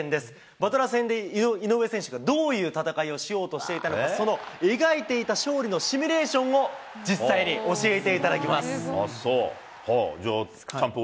バトラー戦で井上選手がどういう戦いをしようとしていたのか、その描いていた勝利のシミュレーションを実際に教えていただきまあっ、そう。